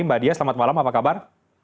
mbak dia selamat malam apa kabar